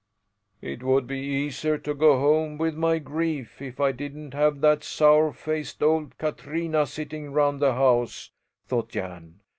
"It would be easier to go home with my grief if I didn't have that sour faced old Katrina sitting round the house," thought Jan.